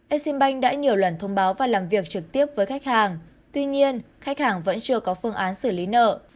exim bank đã nhiều lần thông báo và làm việc trực tiếp với khách hàng tuy nhiên khách hàng vẫn chưa có phương án xử lý nợ